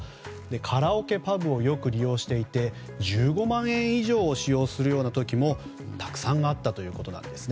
カラオケパブをよく利用していて１５万円以上を使用するような時もたくさんあったということなんですね。